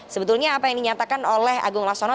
sebetulnya apa yang dinyatakan oleh agung laksono